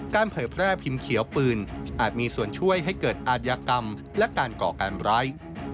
เผยแพร่พิมพ์เขียวปืนอาจมีส่วนช่วยให้เกิดอาทยากรรมและการก่อการร้าย